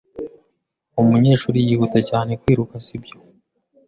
Uwo munyeshuri yihuta cyane kwiruka sibyo?